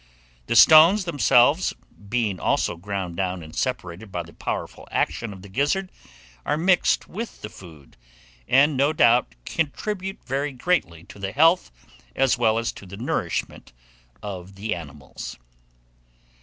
The stones, themselves, being also ground down and separated by the powerful action of the gizzard, are mixed with the food, and, no doubt, contribute very greatly to the health, as well as to the nourishment of the animals.